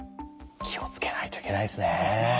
気を付けないといけないですね。